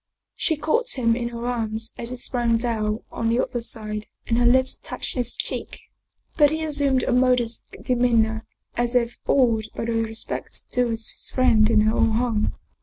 She caught him in her arms as he sprang down on the other side and her lips touched his cheek. But he assumed a modest demeanor, as if awed by the respect due his friend in her own home.